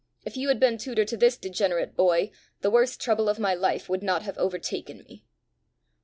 If you had been tutor to this degenerate boy, the worst trouble of my life would not have overtaken me!"